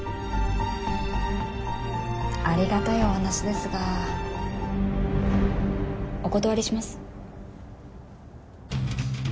ありがたいお話ですがお断りします。